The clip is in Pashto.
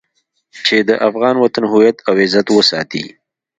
چې د افغان وطن هويت او عزت وساتي.